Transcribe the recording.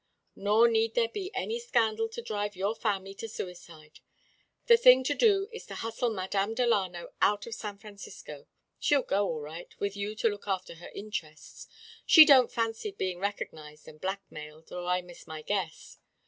"Nor need there be any scandal to drive your family to suicide. The thing to do is to hustle Madame Delano out of San Francisco. She'll go, all right, with you to look after her interests. She don't fancy being recognized and blackmailed, or I miss my guess.